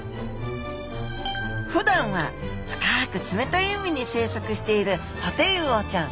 ふだんは深く冷たい海に生息しているホテイウオちゃん。